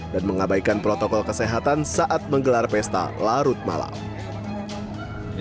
dan mengabaikan protokol kesehatan saat menggelar pesta larut malam